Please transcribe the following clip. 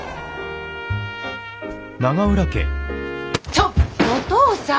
ちょっおとうさん！